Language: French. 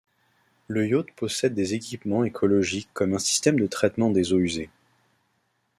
Le yacht possède des équipements écologiques comme un système de traitement des eaux usées.